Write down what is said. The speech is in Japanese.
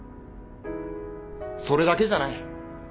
それだけじゃない。